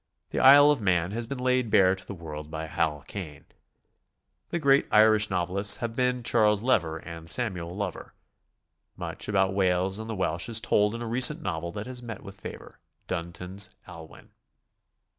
The' Isle of Man has been laid bare to the world by Hall Caine. The great Irish novelists have been Charles Lever and Samuel Lover. Much about Wales and the Welsh is told in a recent novel that has met with favor, Dunton's "Aylwin."